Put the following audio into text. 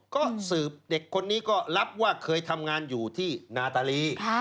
ก็สืบเด็กคนนี้ก็รับว่าเคยทำงานอยู่ที่นาตาลี